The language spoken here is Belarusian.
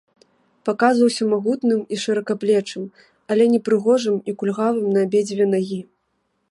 Паказваўся магутным і шыракаплечым, але непрыгожым і кульгавым на абедзве нагі.